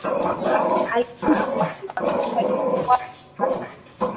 Alifunga soko la Watumwa lililokuwapo Mkunazini